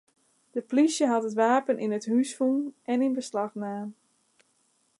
De plysje hat it wapen yn it hús fûn en yn beslach naam.